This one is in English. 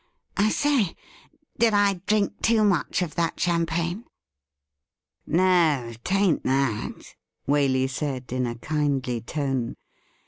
I say, did I drink too much of that champagne ?'' No, 'taint that,' Waley said in a kindly tone.